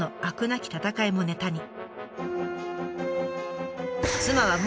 なき戦いもネタに。